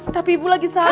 tapi ibu lagi susul dia ya